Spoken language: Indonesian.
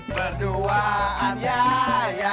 berdua ada di rumah pacar saya